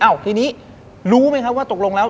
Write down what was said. ทีนี้รู้ไหมครับว่าตกลงแล้ว